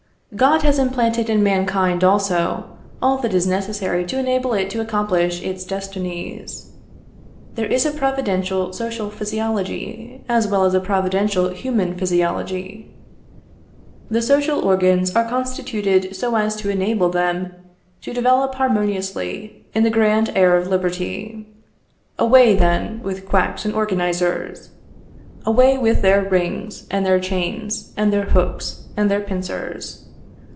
God has implanted in mankind, also, all that is necessary to enable it to accomplish its destinies. There is a providential social physiology, as well as a providential human physiology. The social organs are constituted so as to enable them to develop harmoniously in the grand air of liberty. Away, then, with quacks and organisers! Away with their rings, and their chains, and their hooks, and their pincers!